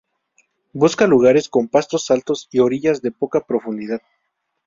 Busca lugares con pastos altos y orillas de poca profundidad.